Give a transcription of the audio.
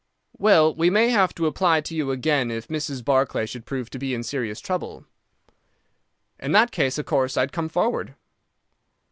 "Well, we may have to apply to you again if Mrs. Barclay should prove to be in serious trouble." "In that case, of course, I'd come forward."